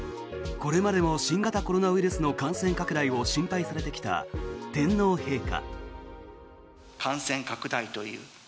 これまでも新型コロナウイルスの感染拡大を心配されてきた天皇陛下。